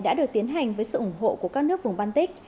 đã được tiến hành với sự ủng hộ của các nước vùng baltic